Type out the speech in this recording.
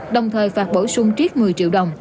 đồng thời phạt bổ sung triết một mươi triệu đồng